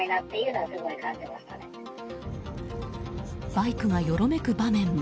バイクがよろめく場面も。